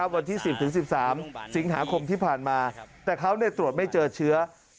วันที่๑๐๑๓สิงหาคมที่ผ่านมาแต่เขาตรวจไม่เจอเชื้อ